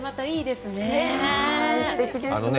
すてきですね。